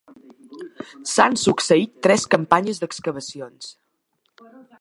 S'han succeït tres campanyes d'excavacions.